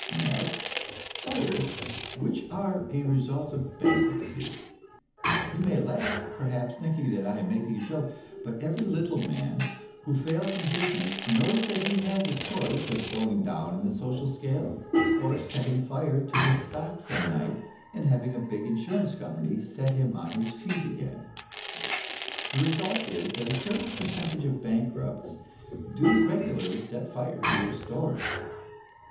Next, fires which are a result of bankruptcy. You may laugh, perhaps, thinking that I am making a joke; but every little man who fails in business knows that he has a choice of going down in the social scale, or of setting fire to his stock some night, and having a big insurance company set him on his feet again. The result is that a certain percentage of bankrupts do regularly set fire to their stores.